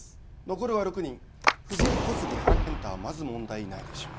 残るは６人藤井小杉原健太はまず問題ないでしょう